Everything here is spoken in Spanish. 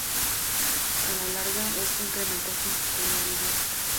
A la larga, esto incrementó su impopularidad.